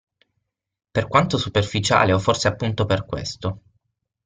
Per quanto superficiale o forse appunto per questo.